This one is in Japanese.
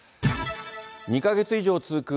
２か月以上続く